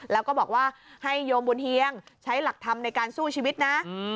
แล้วก็บอกว่าให้โยมบุญเฮียงใช้หลักธรรมในการสู้ชีวิตนะ